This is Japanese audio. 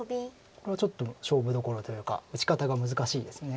これはちょっと勝負どころというか打ち方が難しいです。